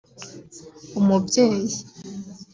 umubyeyi J